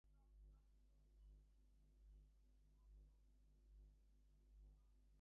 The extreme circumstances broke families, villages and triggered migrations.